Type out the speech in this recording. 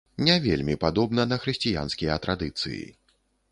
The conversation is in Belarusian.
Не вельмі падобна на хрысціянскія традыцыі.